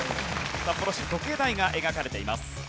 札幌市時計台が描かれています。